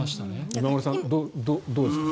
今村さん、どうですか？